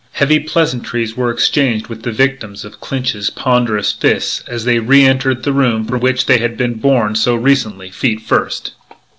Heavy pleasantries were exchanged with the victims of Clinch's ponderous fists as they re entered the room from which they had been borne so recently, feet first.